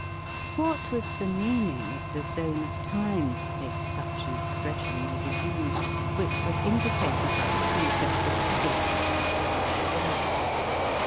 What was the meaning of the zone of time, if such an expression may be used, which was indicated by the two sets of figvu es with their several dates